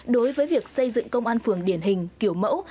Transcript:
đối với việc xây dựng công an phường điển hình kiểu mẫu